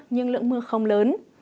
nhưng lượng mưa không lớn